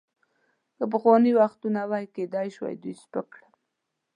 که پخواني وختونه وای، کیدای شوای دوی سپک کړم.